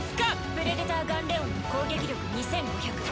プレデター・ガンレオンの攻撃力２５００。